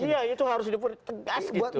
iya itu harus dipertegas gitu